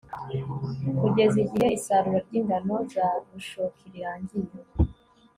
kugeza igihe isarura ry'ingano za bushoki rirangiye